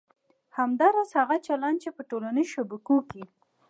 همداراز هغه چلند چې په ټولنیزو شبکو کې